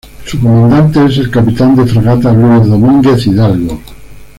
Su Comandante es el Capitán de Fragata Luis Domínguez Hidalgo.